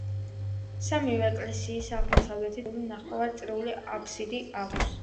სამივე ეკლესიას აღმოსავლეთით მართკუთხედში ჩახაზული ნახევარწრიული აფსიდი აქვს.